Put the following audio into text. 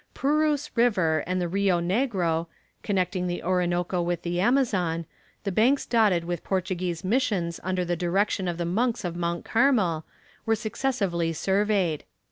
Purus River and the Rio Negro, connecting the Orinoco with the Amazon, the banks dotted with Portuguese missions under the direction of the monks of Mount Carmel, were successively surveyed.